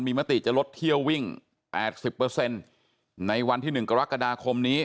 มีมติจะลดเที่ยววิ่งแอดสิบเปอร์เซ็นต์ในวันที่หนึ่งกรกฎาคมนี้